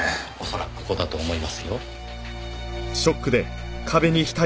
恐らくここだと思いますよ。